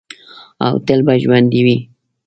او تل به ژوندی وي.